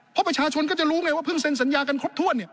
เพราะประชาชนก็จะรู้ไงว่าเพิ่งเซ็นสัญญากันครบถ้วน